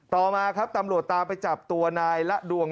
ต่อมาครับตำรวจตามไปจับตัวนายละดวง